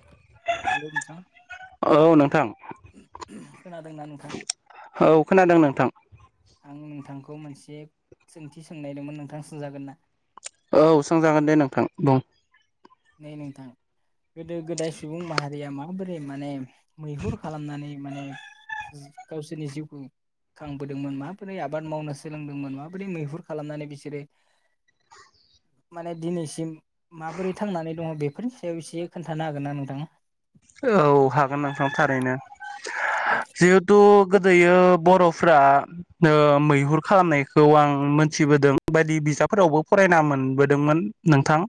[inaudible] Hello नोंथां औ नोंथां [inaudible] खोनादोंना नोंथां औ खोनादों नोंथां आं नोंथांखौ मोनसे सोंथि सोंनायदोंमोन नोंथां सोंजागोन ना औ सोंजागोन दे नोंथां बुं नै नोंथां गोदो गोदाय सुबुं माहारिया मा माबोरै माने मैहुर खालामनानै माने गावसोरनि जिउखौ खांबोदोंमोन माबोरै आबाद मावनो सोलोंदों मोन माबोरै मैहुर खालामनानै बिसोरो माने दिनैसिम माबोरै थांनानै दङ बेफोरनि सायाव खोनथानो हागोना नोंथां औ हागोन नोंथां थारैनो जिहेथु गोदो बर'फ्रा मैहुर खालामनायखौ आं मोनथिबोदों बायदि बिजाबफोरावबो फरायना मोनबोदोंमोन नोंथां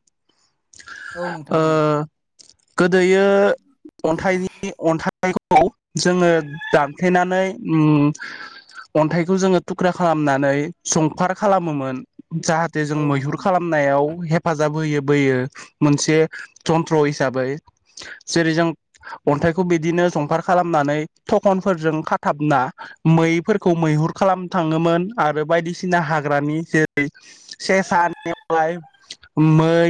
औ नोंथां ओ औ गोदोयो अन्थाइनि अन्थाइ [unintelligible] जोङो दानफ्लेनानै अन्थाइखौ जोङो थुख्रा खालामनानै संफार खालामोमोन जाहाथे जों औ मैहुर नोंथां खालामनायाव हे फाजाब होयो बोयो मोनसे जन्त्र हिसाबै जेरै जों अन्थाइखौ बिदिनो संफार खालामनानै थखनफोरजों खाथाबना मैफोरखौ मैहुर खालामनो थाङोमोन आरो बायदिसिना हाग्रानि जेरै सेसा नेवालाइ मै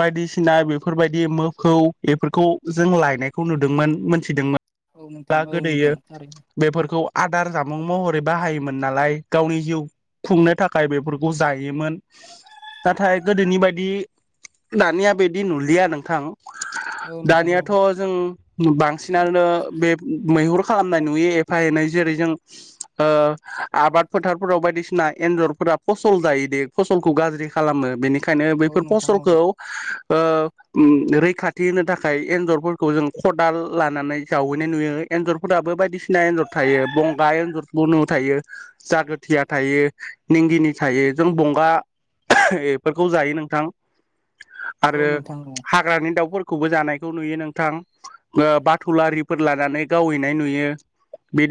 बायदिसिना बेफोरबायदि मोफौ बेफोरखौ जों लायनायखौ नुदोंमोन मोनथिदोंमोन औ नोंथां दा औ नोंथां गोदैयो थारैनो बेफोरखौ आदार जामुं महरै बाहायोमोन नालाय गावनि जिउ खुंनो थाखाय बेफोरखौ जायोमोन नाथाय गोदोनि बायदि दानिया बिदि नुलिया नोंथां औ नोंथां औ दानियाथ' जों बांसिनानो बे मैहुर खालामनाय नुयो एफा एनै जेरै जों आबाद फोथारफोराव बायदिसिना एन्जरफोरा फसल जायो दे फसलखौ गाज्रि खालामो बेनि बेनिखायनो औ बेफोर नोंथां औ फसलखौ खाथि होनो थाखाय एन्जरफोरखौ जों खदाल लानानै जावो नुयो एन्जरफोराबो बायदिसिना एन्जर थायो बंगा एन्जरखौ बुनु थायो जागोथिया थायो निंगिनि थायो जों बंगा बेफोरखौ जायो नोंथां औ आरो नोंथां औ हाग्रानि दाउफोरखौबो जानाय खौ नुयो नोंथां बाथुलारि फोर लानानै गावहैनाय नुयो।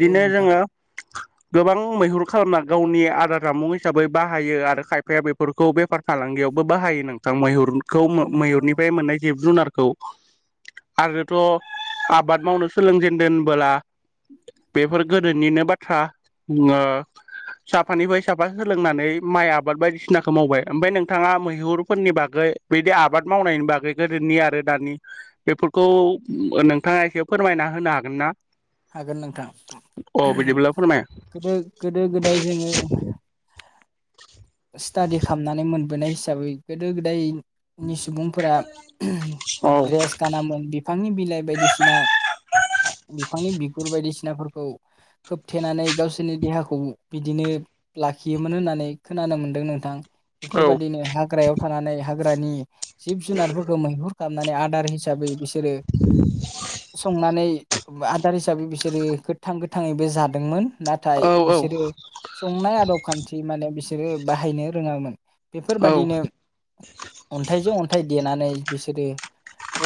औ नोंथां जोङो गोबां मैहुर खालामना गावनि आदार जामुं हिसाबै बाहायो आरो खायफाया बेफोरखौ बेफार फालांगियावबो बाहायो नोंथां मैहुर खौ औ नोंथां औ मैहुरनिफ्राय मोननाय गि जुनारखौ आरोथ' आबाद मावनो सोलोंजेन दोनबोला बेफोर गोदोनिनो बाथ्रा साफानिफ्राय साफा सोलोंनानै माइ आबाद बायदिसिनाखौ मावबाय ओमफ्राय नोंथाङा मैहुरफोरनि बागै बिदि आबाद मावनायनि बागै गोदोनि आरो दानि बेफोरखौ नोंथाङा एसे फोरमायना होनो हागोन ना हागोन नोंथां अ बिदिब्ला फोरमाय गोदो गोदो गोदाय जोङो स्टाादि खालामनानै मोनबोनाय हिसाबै गोदो गोदाय नि सुबुंफोरा औ द्रेस गानामोन बिफांनि बिलाइ बायदिसिना बिफांनि बिगुर बायदिसिना सिनाफोरखौ खोबथेनानै गावसोरनि देहाखौ बिदिनो लाखियोमोन होननानै खोनानो मोन्दों नोंथां औ बेफोरबायदिनो हाग्रायाव थानानै हाग रानि जिब जुनारफोरखौ मैहुर खालामनानै आदार हिसाबै बिस बिसोरो संनानै आदार हिसाबै बिसोरो गोथां गोथाङैबो जादोंमोन। नाथाय औ बिसोरो संनाय आदब खान्थि माने बिसोर बिसोरो बाहायनो रोङामोन। औ बेफोरबायादिनो अन्थाइजों अन्थाइ देनानै बिसोरो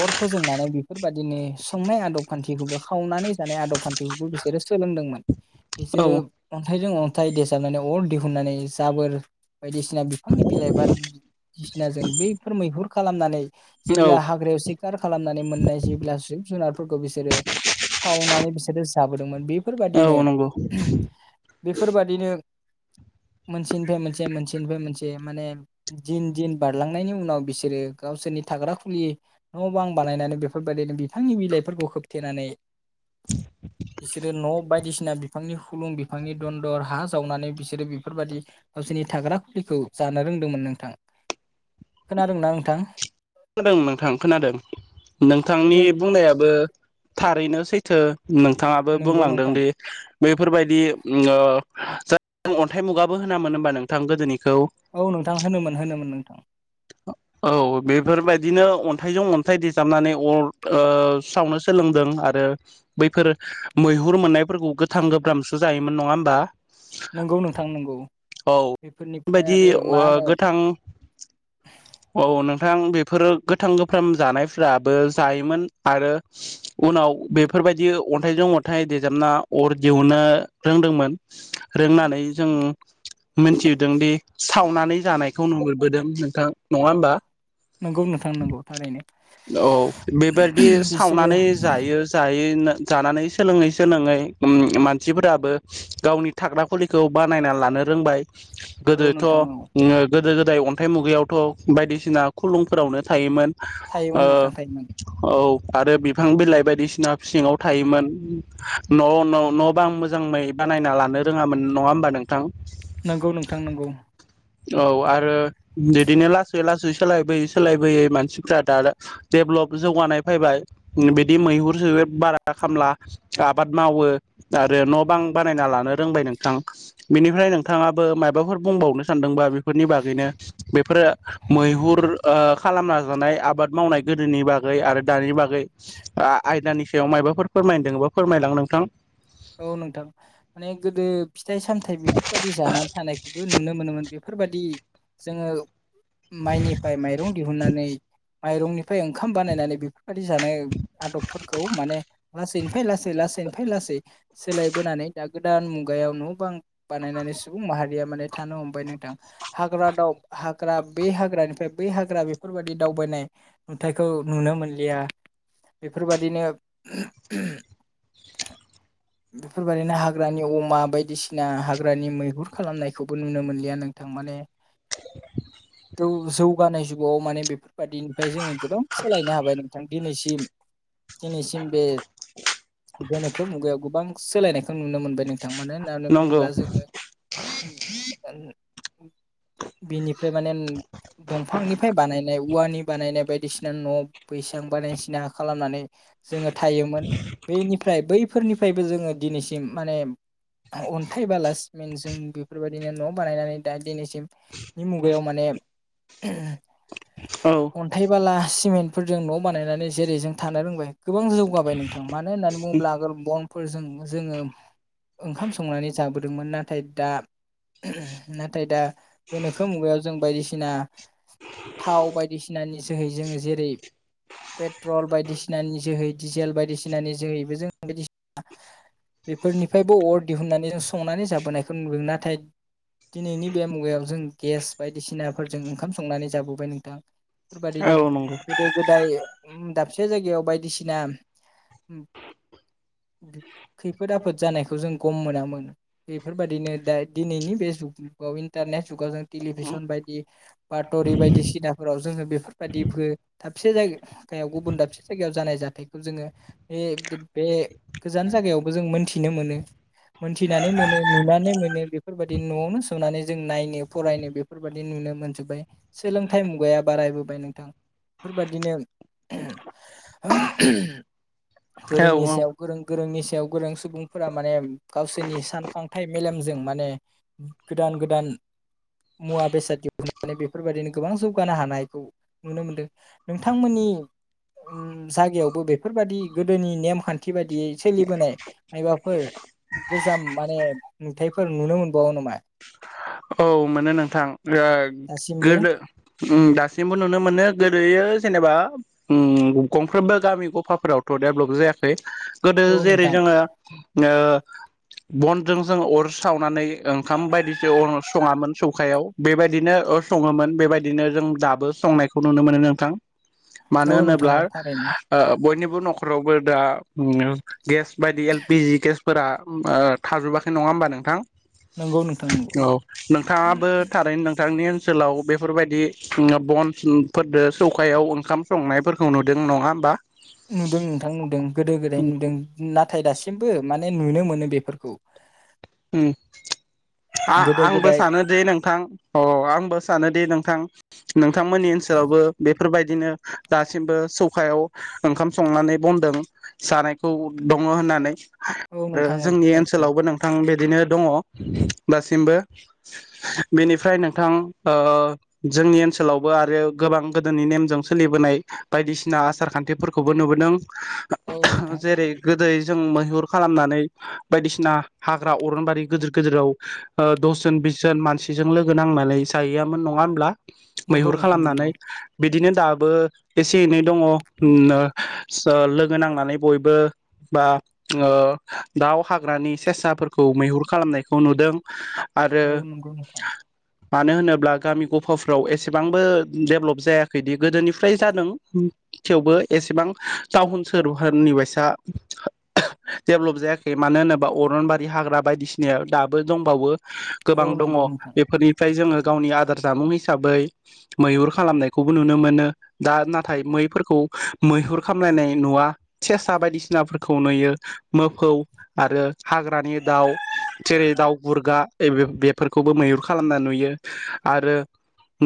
अर फोजोंनानै बेफोरबायदिनो संनाय आदब खान्थिखौबो खावनानै जानाय आदब खान्थिखौबो बिसोरो सोलोंदोंमोन। बिसोरो औ अन्थाइजों अन्थाइ देजाबनानै अर दिहुननानै जाबोर बायदिसिना बिफांनि बिलाइ बा बायदिसिना जों बैफोर मैहुर खालामनानै औ जेब्ला हाग्रायाव सिखार खालामनानै मोननाय जेब्ला जिब जुनार बिसोरो सावनानै बिसोरो जाबोदोंमोन बे बेफोरबादिनो औ नंगौ बेफोरबादिनो। मोनसेनिफ्राय मोनसे मोनसेनिफ्राय मोनसे माने दिन दिन बारलांनायनि उनाव बिसोरो गावसोरनि थाग्रा खुलि न' बां बानायनानै बेफोरबायदिनो बिफांनि बिलाइफोरखौ होबथेनानै बिसोरो न' बायदिसिना बिसिना बिफांनि खुलुं बिफांनि दन्दर हा जावनानै बिसोरो बेफोरबायाददि गावसोरनि थाग्रा खुलिखौ जानो रोंदोंमोन नोंथां। खोनादोंना नोंथां? खोनादों नोंथां खोनादों नोंथांनि गोदो बुंनायाबो थारैनो सैथो नोंथाङाबो नोंगौ बुंलांदों नोंथां दि बैफोरबायदि जों अन्थाइ मुगाबो होनामोन हबा नोंथां गोदोनि औ नोंथां होनोमोन होनोमोन नोंथां औ बेफोरबायदिनो अन्थाइजों अन्थाइ दजाबनानै अर सावनो सोलोंदों आरो बैफोर मैहुर मोननायफोरखौ गोथां गोब्रामसो जायोमोन नङा होमबा? नंगौ नोंथां नंगौ औ बेफोरनिफ्राय बेबायदि आरो ओ मा होनो गोथां औ नोंथां बेफोरो गोथां गोफ्राम जानायफोराबो जायोमोन आरो उनाव बेफोरबायदि अन्थाइजों अन्थाइ देजाबना अर दिहुननो रोंदोंमोन रोंनानै जों मिथिहदों दि सावनानै नानै जानायखौ नु मोनबोदों नोंथां नङा होमबा? नंगौनो थांनांगौ थारैनो औ बेबायदि बिसोरो सावनानै जायो जायै जानानै सोलोङै सोलोङै मानसिफोराबो गावनि थाग्रा खुलिखौ बानायना लानो रोंबाय औ गोदोथ' ओ नोंथां औ गोदो जाय अन्थाइ मुगायावथ' बायदिसिना खुलुंफोरावनो थायोमोन थायोमोन ओ नोंथां थायोमोन औ आरो बिफां बिलाइ बायदिसिना सिङाव थायोमोन न' न' बां आं मोजाङै बानायना लानो रोङामोन नङा होमबा नोंथां नंगौ नोंथां नंगौ औ आरो बिदिनो लासै लासै सोलाय बयै सोलायबोयै मानसिफ्रा दा डेभलप जौगानाय फैबाय बिदि मैहुरस बारा खामला आबाद मावो आरो न' बां बानायना लानो रोंबाय नोंथां बेनिफ्राय नोंथाङाबो माबाफोर बुंबावनो सान्दोंबा बेफोरनि बागैनो बेफोरो मैहुर खालामना जानाय आबाद मावनाय गोदोनि बागै आरो दानि बागै आयदानि सायाव मायाबाफोर फोरमायदों बा फोरमायलां नोंथां । औ नोंथां माने गोदो फिथाइ सामथाइ बेफोरबायाददि जानानै थानायखौबो नुनो मोनोमोन बेफोरबायादि जोङो माइनिफ्राय माइरं दिहुननानै माइरंनिफ्राय ओंखाम बानायनानै बेफोरबायदि जानाय आदबफोरखौ माने लासैनोफ्राय लासै लासैनोफ्राय लासै सोलायबोनानै दा गोदान मुगायाव न' बां बानायनानै सुबुं माहारिया माने थानो हमबाय नोंथां हाग्रा हाग्रा बे हाग्रानिफ्राय बै हाग्रा बेफोरबायादि दावबायनाय नुथायखौ नुनो मोनलिया बेफोरबादिनो बेफोरबायदिनो हाग्रानि अमा बायदिसिना हाग्रानि मैहुर खालामनायखौबो नुनो मोनलिया नोंथां माने जौगानाय जुगाव । माने बेफोरबायदिनिफ्राय जोङो गोबां सोलायनो हाबाय नोंथां दिनैसिम दिनैसिम बे गोनोखो मुगायाव । गोबां सोलायनायखौ नुनो मोनबाय नों बिथां मानो होननानै नंगौ बुङोब्ला जोङो बिनिफ्राय माने दंफांनिफ्राय बानायनाय औवानि बानायनाय बायदिसिना न' बैसां बानायसिना खालामनानै जोङो थायोमोन बेनिफ्राय बैफोरनि बेफ्रायबो जोङो दिनैसिम माने अन्थाइ बाला सिमेन्ट जों बेफोरबायदिनो न' बानायनानै दा दिनैसिमनि मुगायाव माने औ अन्थाइ बाला सिमेन्टफोरजों न' बानायनानै जेरै जों थानो रोंबाय गोबां जौगाबाय नोंथां मानो होननानै बुङोब्ला आगोल बन फोरजों जोङो ओंखाम संनानै जाबोदोंमोन नाथाय दा नाथाय दा गोनोखो मुगायाव जों बायदिसिना थाव बायदिसिनानि जोहै जोङो जेरै पेट्रल बायदिसिनानि जोहै डिजेल बायदिसिनानि जोहैबो जों बायदि बेफोरनिफ्रायबो अर दिहुनन्नानै जों संनानै जाबोनायखौ नुदों नाथाय दिनैनि बे मुगायाव जों गेस बायदिसिनाफोरजों ओंखाम संनानै जाबोबाय नोंथां बेफोरबदिनो औ नंगौ गोदो गोदाय दाबसे जायगायाव बायदिसिना खैफोद आफोद जानायखौ जों गम मोनामोन बेफोरबायदिनो दा दिनैनि बे जुगाव इन्टारनेट जुगाव जों टेलिभिसन बायदि बाथ'रि बायदिसिनाफोराव जोङो बेफोरबायदि दाबसे जायगायाव गुबुन दाबसे जायगायाव जानाय जाथायखौ जोङो बे बे गोजान जायगायावबो जों मोनथिनो मोनो मोनथिनानै मोनो नुनानै मोनो बेफोरबाददि न'आवनो संनानै जों नायनो फरायनो बेफोरबाददि नुनो मोनजोब्बाय सोलोंथाइ मुगाया बारायबोबाय नोंथां बेफोरबादिनो औ गोरोंनि औ सायाव गोरों गोरोंनि सायाव गोरों सुबुंफोरा माने गावसोरनि सानखांथाइ मेलेमजों माने गोदान गोदान मुवा बेसाद दिहुननानै बेफोरबायदिनो गोबां जौगानो हानायखौ नुनो मोनदों नोंथांमोननि ओम जायगायावबो बेफोरबायदि गोदोनि नेमखान्थि न्थि बायदियै सोलिबोनाय मायबाफोर गोजाम माने नुथायफोर नुनो मोनबावो नामा औ मोनो नोंथां ओ दासिमबो गोदो ओम दासिमबो नुनो मोनो गोदोयो जेनेबा ओम नोंगौ गंफ्रोमबो गामि गफाफोराव देबलभ जायाखै गोदो औ जेरै नोंथां जोङो ओ बनजों जों अर सावनानै ओंखाम बायदिखो अरावसो सङामोन सौखायाव बेबायदिनो ओ सङोमोन बेबायदिनो जों दाबो संनायखौ नुनो मोनो नोंथां औ मानो नोंथां होनोब्ला औ थारैनो ओ बयनिबो नखरावबो दा ओम गेस बायदि एल पि जि गेस फोरा ओमबा ओ थाजोबाखै नङा होमबा नोंथां नोंगौ नोंथां नोंगौ औ नोंथाङाबो थारैनो नों नोंथांनि ओनसोलाव बेफोरबायदि बनफोरदो सौखायाव ओंखाम संनायफोरखौ नुदों नङा होमबा नुदों नोंथां नुदों गोदो गोदाय नुदों नाथाय दासिमबो सिमबो माने नुनो मोनो बेफोरखौ ओम गोदो आ-आंबो गोदाय सानोदि नोंथां अ आंबो सानोदि नों थां। नोंथांमोननि ओनसोलावबो बे बेफोरबायदिनो दासिमबो सौखायाव ओंखाम संनानै बनदों जानायखौ दङ होननानै औ आरो नोंथां औ जोंनि थारैनो ओनसोलावबो नों बिदिनो दङ दासिमबो बेनिफ्राय नोंथां ओ जोंनि ओनसोलावबो आरो गोबां गोदोनि नेमजों सोलिबोनाय बायदिसिना आसार खान्थिफोरखौबो नुबोदों औ नोंथां जेरै गोदो जों मैहुर खालामनानै बायदिसिना। हाग्रा अरनबारि गोदोर गोदोराव दसजन बिसजन मानसिजों लोगो नांनानै जाहैयामोन नङा होमब्ला। नंगौ मैहुर नोंथां नंगौ खालामनानै बिदिनो। दाबो एसे एनै दङ लोगो नों ओ नांनानै बयबो बा ओ। दाउ हाग्रानि। सेसाफोरखौ मैहुर खालामनायखौ नुदों। आरो औ नंगौ नोंथां। मानो होनोब्ला गामि गफाफ्राव एसेबांबो डेभेलप जायाखैदि गोदोनिफ्राय जादों थेवबो एसेबां टाउन सोहोरफोरनि बायसा डेबलब जायाखै मानो होनो बा अरनबारि हाग्रा बायदिसिनायाव दाबो दंबावो औ गोबां दङ नंगौ नोंथां बेफोरनिफ्राय जोङो गावनि आदार जामुं हिसाबै मैहुर खालामनायखौबो नुनो मोनो। दा नाथाय मैफोरखौ मैहुर खामलायनाय नुवा। सेसा बायदिसिनाफोर खौ नुयो मोफौ आरो हाग्रानि दाउ थेरै दाउ गुरगा बे बेफोरखौबो मैहुर खालामना नुयो। आरो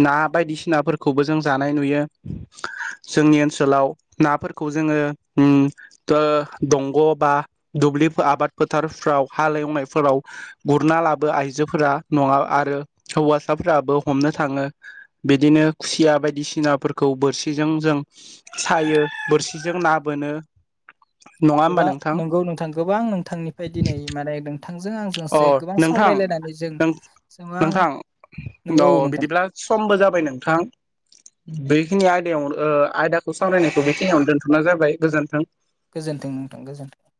ना बायदिसिनाफोरखौ खौबो जों जानाय नुयो जोंनि ओनसोलाव नाफोरखौ जोङो उम दा दंग' बा दुब्लि फो आबाद फोथारफ्राव हालेवनायफोराव गुरना लाबो आइजोफोरा नङा आरो हौवासाफोराबो हमनो थाङो बिदिनो खुसिया बायदिसिनाफोर खौ बोरसिजों जों सायो बोरसिजों ना बोनो नङा होमबा नोंथां? फाय दिनै माने नोंथांजों अ आंजोंसो गोबां नोंथां सावरायलायनानै जों नों गोबां नोंथां नंगौ औ नोंथां बिदिब्ला समबो जाबाय नोंथां। बेखिनि आयदायाव ओ आयदा खौ सावरायनायखौ बेखिनियाव दोनथ'नाय जाबाय। गोजोन्थों। गोजोनथों नोंथां गोजोनथों।